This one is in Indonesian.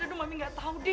aduh mami gak tau deh